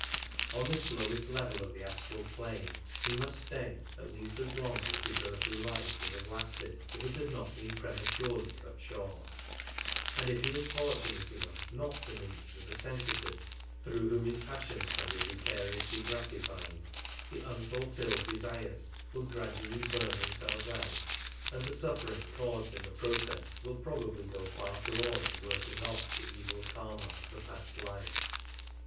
On this lowest level of the astral plane he must stay at least as long as his earthly life would have lasted if it had not been prematurely cut short; and if he is fortunate enough not to meet with a sensitive through whom his passions can be vicariously gratified, the unfulfilled desires will gradually burn them selves out, and the suffering caused in the process will pro bably go far towards working off" the evil Karma of the past life.